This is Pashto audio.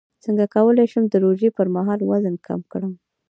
څنګه کولی شم د روژې پر مهال وزن کم کړم